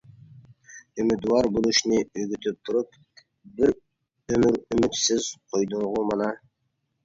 ئۈمىدۋار بولۇشنى ئۆگىتىپ تۇرۇپ، بىر ئۆمۈر ئۈمىدسىز قويدۇڭغۇ مانا.